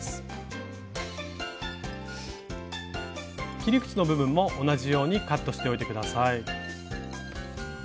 切り口の部分も同じようにカットしておいて下さい。